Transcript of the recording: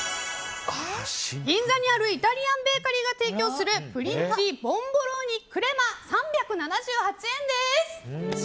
銀座にあるイタリアンベーカリーが提供するプリンチ、ボンボローニクレマ３７８円です。